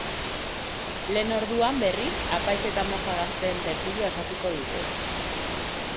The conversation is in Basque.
Lehen orduan, berriz, apaiz eta moja gazteen tertulia osatuko dute.